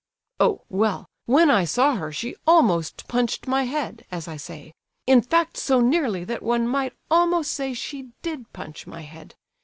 "Oh, well, when I saw her she almost punched my head, as I say; in fact so nearly that one might almost say she did punch my head.